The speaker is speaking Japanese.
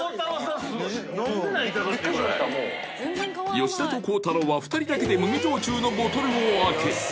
吉田と孝太郎は２人だけで麦焼酎のボトルをあけ